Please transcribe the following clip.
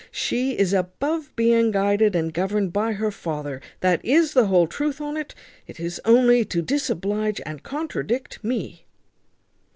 She is above being guided and governed by her father, that is the whole truth on't. It is only to disoblige and contradict me."